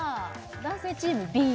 男性チームＢ